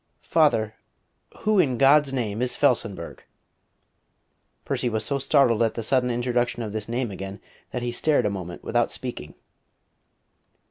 Father, who in God's name is Felsenburgh?" Percy was so startled at the sudden introduction of this name again, that he stared a moment without speaking.